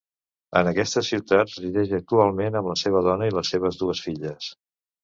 En aquesta ciutat resideix actualment amb la seva dona i les seves dues filles.